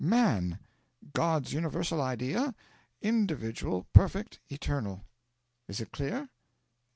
MAN God's universal idea, individual, perfect, eternal. Is it clear?'